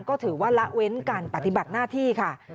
ก็ถือว่าละเว้นการปฏิบัติหน้าที่ค่ะ